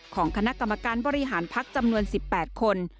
ของคณะกรรมการบริหารพักจำนวน๑๘คน